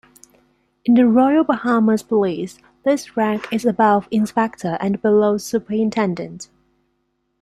In the Royal Bahamas Police this rank is above inspector and below superintendent.